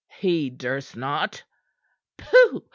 "He durst not." "Pooh!